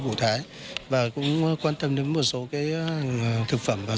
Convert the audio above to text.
โอเคเอาอาจเป็นความช่วยมัน